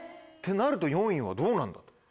なると４位はどうなんだ？